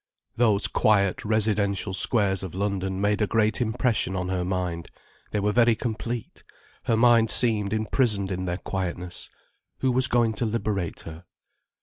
Those quiet residential squares of London made a great impression on her mind. They were very complete. Her mind seemed imprisoned in their quietness. Who was going to liberate her?